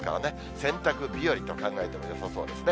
洗濯日和と考えてもよさそうですね。